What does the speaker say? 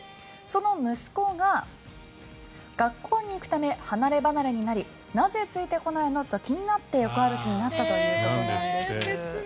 その息子が学校に行くため離ればなれになりなぜついてこないのと気になって横歩きになったということなんです。